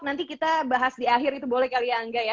nanti kita bahas di akhir itu boleh kali ya angga ya